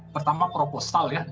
pertama proposal ya